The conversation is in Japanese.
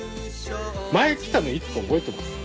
前来たのいつか覚えてます？